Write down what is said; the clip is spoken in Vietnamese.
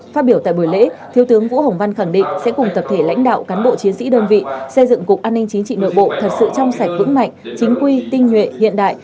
phát biểu tại buổi lễ thiếu tướng vũ hồng văn khẳng định sẽ cùng tập thể lãnh đạo cán bộ chiến sĩ đơn vị xây dựng cục an ninh chính trị nội bộ thật sự trong sạch vững mạnh chính quy tinh nhuệ hiện đại